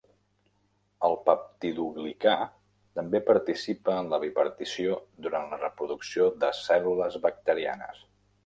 El peptidoglicà també participa en la bipartició durant la reproducció de cèl·lules bacterianes.